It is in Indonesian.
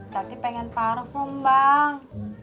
tadi pengen parfum bang